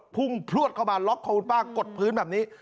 พุ่งพลวดเข้ามาล็อกคอคุณป้ากดพื้นแบบนี้